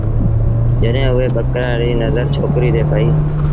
جڏهيݩ اُئي ٻڪرآڙ ري نزرڇوڪريٚ تي پئيٚ ۔